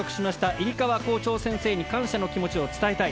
入川校長先生に感謝の気持ちを伝えたい。